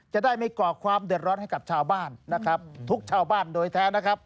จะได้ไม่ก่อความเดือดร้อนให้กับชาวบ้านนะครับทุกชาวบ้านโดยแท้นะครับ